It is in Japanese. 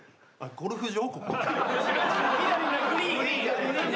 ゴルフ場？